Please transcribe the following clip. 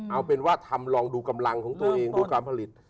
เอาเป็นว่าทำลองดูกำลังของตัวเองดูการผลิต